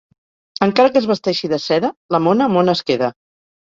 Encara que es vesteixi de seda, la mona mona es queda.